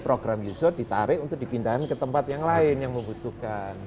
program yusuf ditarik untuk dipindahkan ke tempat yang lain yang membutuhkan